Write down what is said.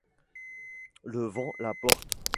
Le vent la porte.